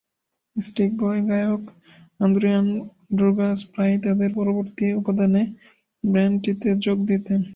স্পিটবয় গায়ক Adrienne Droogas প্রায়ই তাদের পরবর্তী উপাদানে ব্যান্ডটিতে যোগ দিতেন।